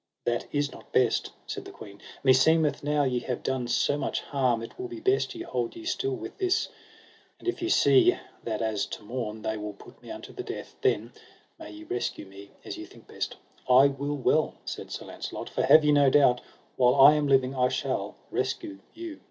That is not best, said the queen; meseemeth now ye have done so much harm, it will be best ye hold you still with this. And if ye see that as to morn they will put me unto the death, then may ye rescue me as ye think best. I will well, said Sir Launcelot, for have ye no doubt, while I am living I shall rescue you.